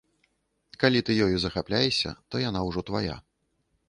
Калі ты ёю захапляешся, то яна ўжо твая.